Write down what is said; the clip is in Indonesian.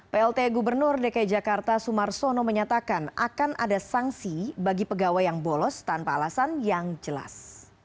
plt gubernur dki jakarta sumarsono menyatakan akan ada sanksi bagi pegawai yang bolos tanpa alasan yang jelas